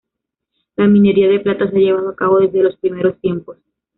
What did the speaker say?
La minería de plata se ha llevado a cabo desde los primeros tiempos.